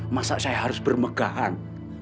masa saya harus bermegahan